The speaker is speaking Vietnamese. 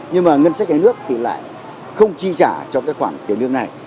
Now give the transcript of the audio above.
nhưng mà ngân sách nhà nước lại không chi trả cho khoản tiền lương này